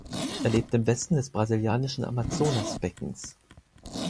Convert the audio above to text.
Er lebt im Westen des brasilianischen Amazonasbeckens.